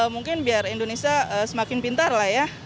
mungkin biar indonesia semakin pintar lah ya